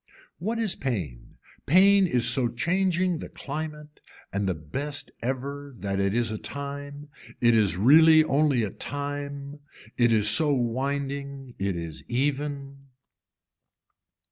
What is pain, pain is so changing the climate and the best ever that it is a time, it is really only a time, it is so winding. It is even.